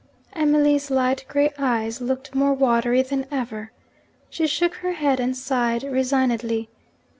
Emily's light grey eyes looked more watery than ever. She shook her head and sighed resignedly.